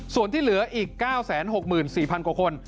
ส่วนที่เหลืออีก๙๖๔๐๐กว่าคน